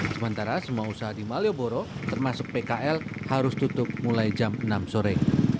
sementara semua usaha di malioboro termasuk pkl harus tutup mulai jam enam sore